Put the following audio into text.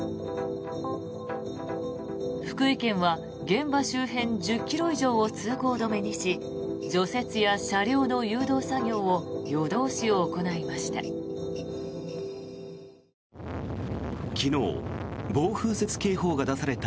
福井県は現場周辺１０ｋｍ以上を通行止めにし除雪や車両の誘導作業を夜通し行いました。